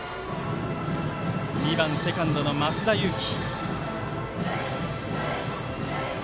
２番、セカンドの増田有紀。